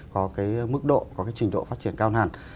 có cái mức độ có cái trình độ phát triển cao nàn